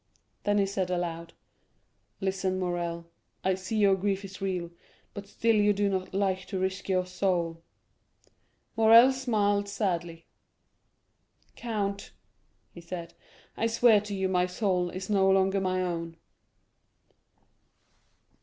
50271m Then he said aloud: "Listen, Morrel, I see your grief is great, but still you do not like to risk your soul." Morrel smiled sadly. "Count," he said, "I swear to you my soul is no longer my own."